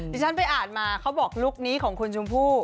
ที่ฉันไปอ่านมาเขาบอกลุคนี้ของคุณชมพู่